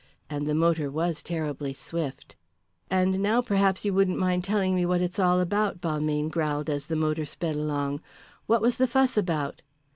And the motor was terribly swift. "And now perhaps you wouldn't mind telling me what it's all about," Balmayne growled as the motor sped along. "What was the fuss about?"